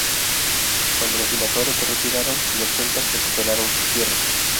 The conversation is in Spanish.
Cuando los invasores se retiraron, los celtas recuperaron sus tierras.